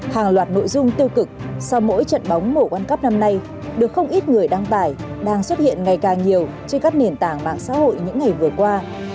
hàng loạt nội dung tiêu cực sau mỗi trận bóng mùa w năm nay được không ít người đăng tải đang xuất hiện ngày càng nhiều trên các nền tảng mạng xã hội những ngày vừa qua